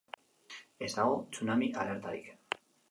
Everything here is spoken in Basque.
Ez dago tsunami alertarik.